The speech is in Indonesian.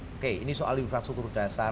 oke ini soal infrastruktur dasar